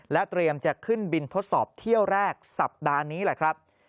เตรียมจะขึ้นบินทดสอบเที่ยวแรกสัปดาห์นี้แหละครับ